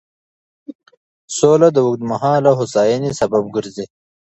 سوله د اوږدمهاله هوساینې سبب ګرځي.